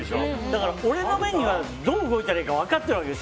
だから、俺の目にはどう動いたらいいか分かってるわけよ。